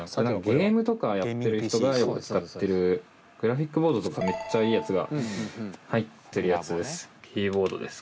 ゲームとかやってる人がよく使ってるグラフィックボードとかめっちゃいいやつが入ってるやつです。